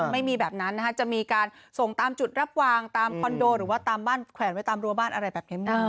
ไม่มีแบบนั้นนะคะจะมีการส่งตามจุดรับวางตามคอนโดหรือว่าตามบ้านแขวนไว้ตามรัวบ้านอะไรแบบนี้หมด